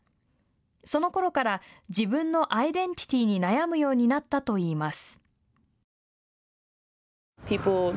そのころから自分のアイデンティティーに悩むようになったといいます。